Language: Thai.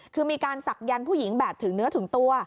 คือมีการศักยันต์ผู้หญิงแบบถึงเนื้อถึงตัว